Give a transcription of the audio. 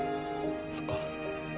そっか。